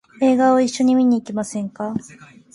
映画を一緒に見に行きませんか？